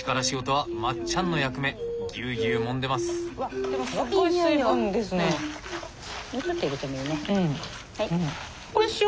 はい。